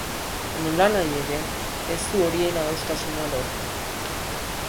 Nolanahi ere, ez du horien adostasuna lortu.